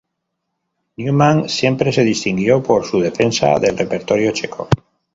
Neumann siempre se distinguió por su defensa del repertorio checo.